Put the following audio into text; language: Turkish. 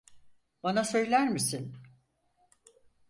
Bana söyler misin?